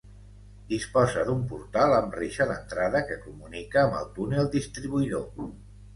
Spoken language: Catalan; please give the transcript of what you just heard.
Disposa d'un portal amb reixa d'entrada que comunica amb el túnel distribuïdor.